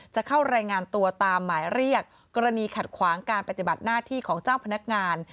จะเข้ารายงานตัวตามหมายเรียกกรณีขัดขวางการปฏิบัติหน้าที่ของเจ้าพนักงาน